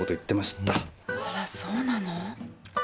あらそうなの？